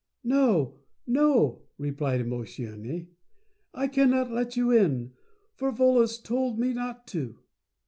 "No, no," replied Emo tione, "I cannot let you in, for Volos told me not to."